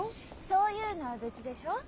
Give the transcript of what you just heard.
そういうのは別でしょう。